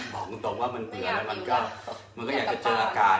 บอกจริงว่ามันเบื่อมันก็อยากจะเจออากาศ